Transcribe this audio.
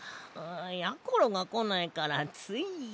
やころがこないからつい。